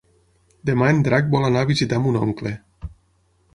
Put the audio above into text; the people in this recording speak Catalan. Demà en Drac vol anar a visitar mon oncle.